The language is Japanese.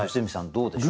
どうでしょう？